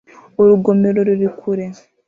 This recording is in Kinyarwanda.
Urugomero ruri kure